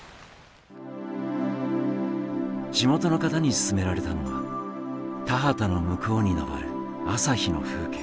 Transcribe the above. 地元の方にすすめられたのは田畑の向こうに昇る朝日の風景。